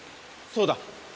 そうだ！